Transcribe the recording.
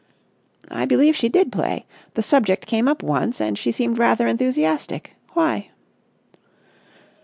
"I believe she did play. The subject came up once and she seemed rather enthusiastic. Why?"